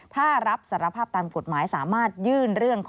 ถ้ารับสารภาพตามกฎหมายสามารถยื่นเรื่อง